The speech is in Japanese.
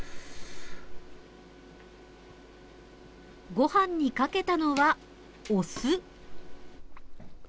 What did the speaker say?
ご飯にかけたのはお酢。